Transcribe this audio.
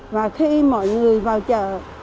và khi mọi người vào chợ